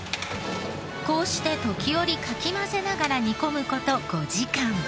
こうして時折かき混ぜながら煮込む事５時間。